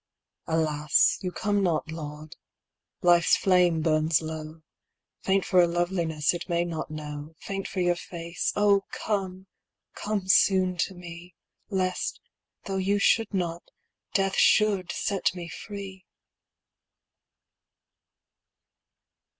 Alas, you come not, Lord: life's flame burns low, Faint for a loveliness it may not know, Faint for your face, Oh, come come soon to me Lest, though you should not, Death should, set me free!